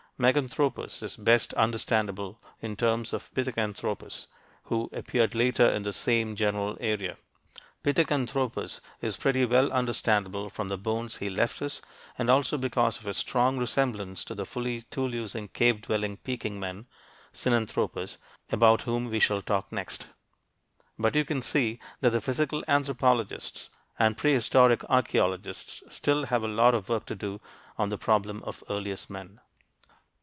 Meganthropus is best understandable in terms of Pithecanthropus, who appeared later in the same general area. Pithecanthropus is pretty well understandable from the bones he left us, and also because of his strong resemblance to the fully tool using cave dwelling "Peking man," Sinanthropus, about whom we shall talk next. But you can see that the physical anthropologists and prehistoric archeologists still have a lot of work to do on the problem of earliest men.